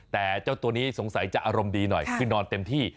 แต่เจ้าตัวนี้สงสัยจะอารมณ์ดีหน่อยคือนอนเต็มที่